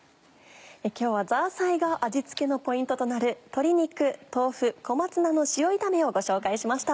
今日はザーサイが味付けのポイントとなる「鶏肉豆腐小松菜の塩炒め」をご紹介しました。